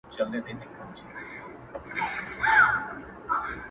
زموږ او ستاسو تر مثبت منفي ته ډير ژر فکر کيږي